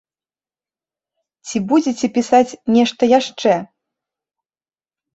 Ці будзеце пісаць нешта яшчэ?